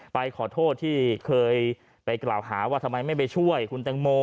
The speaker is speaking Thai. ไปขอโทษที่เคยไปกล่าวหาว่าทำไมไม่ไปช่วยคุณแตงโม